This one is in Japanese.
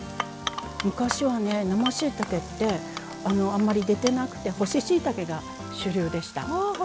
昔は生しいたけってあんまり出てなくて干ししいたけが主流でした。